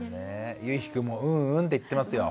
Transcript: ゆうひくんも「うんうん」って言ってますよ。